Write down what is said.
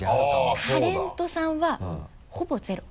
タレントさんはほぼゼロ。